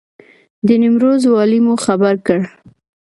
د نیمروز والي مو خبر کړ.